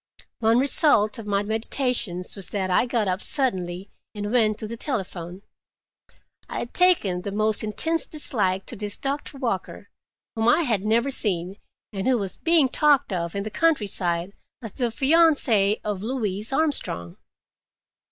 One result of my meditations was that I got up suddenly and went to the telephone. I had taken the most intense dislike to this Doctor Walker, whom I had never seen, and who was being talked of in the countryside as the fiance of Louise Armstrong.